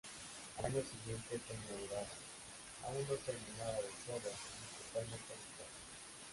Al año siguiente fue inaugurada, aún no terminada del todo, ni totalmente habitada.